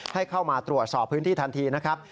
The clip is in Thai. ให้เข้ามาตรวจสอบพื้นที่ทันทีนะครับ